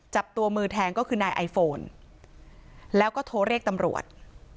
จับตัวมือแทงก็คือนายไอโฟนแล้วก็โทรเรียกตำรวจ